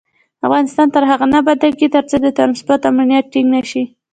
افغانستان تر هغو نه ابادیږي، ترڅو د ترانسپورت امنیت ټینګ نشي.